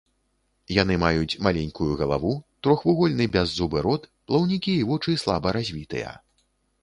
Яны маюць маленькую галаву, трохвугольны бяззубы рот, плаўнікі і вочы слаба развітыя.